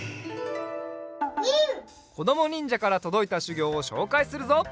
こどもにんじゃからとどいたしゅぎょうをしょうかいするぞ。